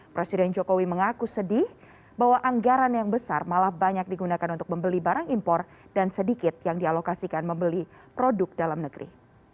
presiden jokowi mengaku sedih bahwa anggaran yang besar malah banyak digunakan untuk membeli barang impor dan sedikit yang dialokasikan membeli produk dalam negeri